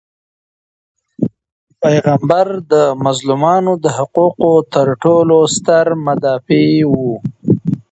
پيغمبر د مظلومانو د حقوقو تر ټولو ستر مدافع و.